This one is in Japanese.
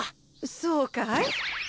そうかい？